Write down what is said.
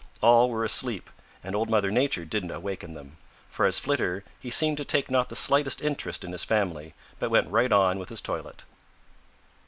All were asleep, and Old Mother Nature didn't awaken them. As for Flitter, he seemed to take not the slightest interest in his family, but went right on with his toilet.